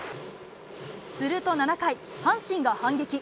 すると７回、阪神が反撃。